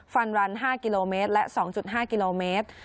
ฟันวัน๕กิโลเมตรและ๒๕กิโลเมตร